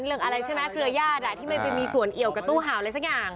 เรื่องอะไรใช่ไหมเครือญาติที่ไม่ไปมีส่วนเอี่ยวกับตู้เห่าอะไรสักอย่าง